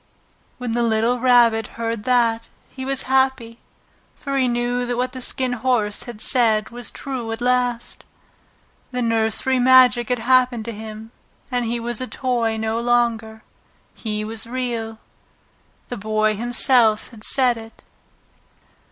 When the little Rabbit heard that he was happy, for he knew that what the Skin Horse had said was true at last. The nursery magic had happened to him, and he was a toy no longer. He was Real. The Boy himself had said it.